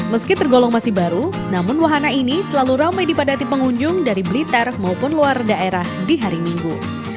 meski tergolong masih baru namun wahana ini selalu ramai dipadati pengunjung dari blitar maupun luar daerah di hari minggu